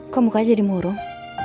kok muka jadi murung